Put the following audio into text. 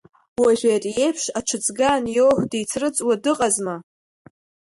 Уажәы ари еиԥш аҽыӡга аниоу, дицрыҵуа дыҟазма.